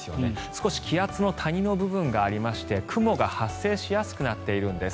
少し気圧の谷の部分がありまして雲が発生しやすくなっているんです。